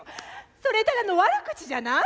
それただの悪口じゃない。